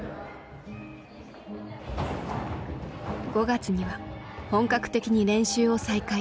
５月には本格的に練習を再開。